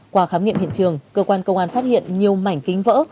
qua khám nghiệm hiện trường cơ quan công an phát hiện nhiều mảnh kính vỡ